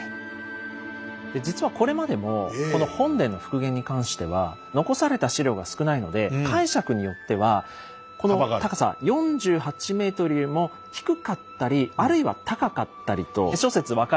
実はこれまでもこの本殿の復元に関しては残された史料が少ないので解釈によってはこの高さ４８ｍよりも低かったりあるいは高かったりと諸説分かれているんですよね。